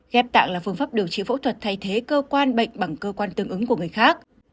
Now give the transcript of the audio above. ghép tạng là phương pháp điều trị phẫu thuật thay thế cơ quan bệnh bằng cơ quan tương ứng của người khác